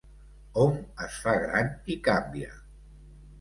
Hom es fa gran i canvia.